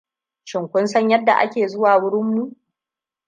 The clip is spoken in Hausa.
Shin kun san yadda ake zuwa wurin mu?